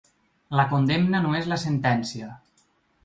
La condemna no és la sentència.